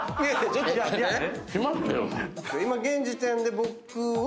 現時点で僕は。